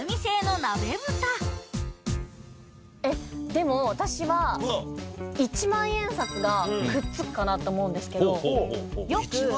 でも私は一万円札がくっつくかなと思うんですけど一万円札？